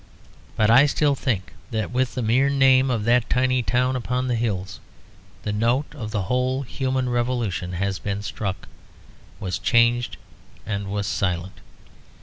But I still think that with the mere name of that tiny town upon the hills the note of the whole human revolution had been struck, was changed and was silent.